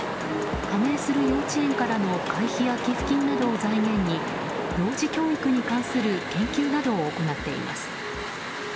加盟する幼稚園からの会費や寄付金などを財源に幼児教育に関する研究などを行っています。